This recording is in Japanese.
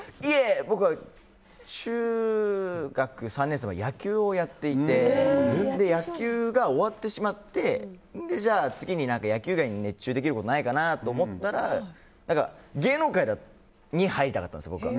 僕、中学３年生まで野球をやっていて野球が終わってしまってじゃあ次に何か野球以外に熱中できることないかなって思ったら芸能界に入りたかったんです僕は。